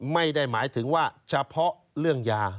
ไม่ได้หมายถึงว่าเฉพาะเรื่องยา